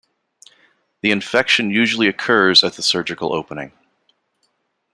The infection usually occurs at the surgical opening.